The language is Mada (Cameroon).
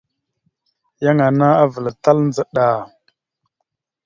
Yan ana avəlatal ndzəɗa.